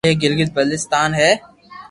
ايڪ گلگيت بلچستان ھي